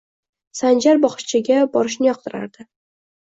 Sanjar bog'chaga borishni yoqtiradi